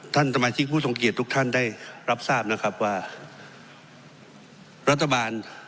ท่านสมาชิกผู้ทรงเกียจทุกท่านได้รับทราบนะครับว่ารัฐบาล